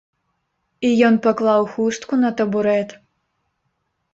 І ён паклаў хустку на табурэт.